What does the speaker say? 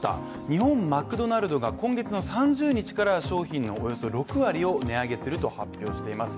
日本マクドナルドが今月３０日から商品のおよそ６割を値上げすると発表しています